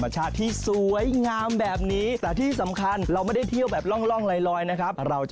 ใช่ครับฟิตที่แบบว่าปลา